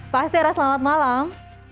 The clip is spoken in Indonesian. pak astera selamat malam